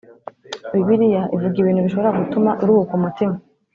Bibiliya ivuga ibintu bishobora gutuma uruhuka umutima